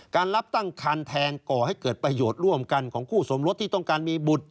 การรับตั้งคันแทนก่อให้เกิดประโยชน์ร่วมกันของคู่สมรสที่ต้องการมีบุตร